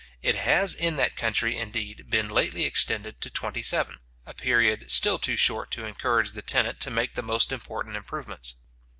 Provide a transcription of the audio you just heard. It has in that country, indeed, been lately extended to twentyseven, a period still too short to encourage the tenant to make the most important improvements.